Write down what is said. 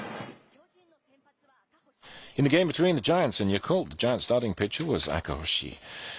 巨人の先発は赤星。